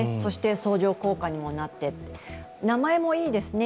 相乗効果にもなって、名前もいいですね。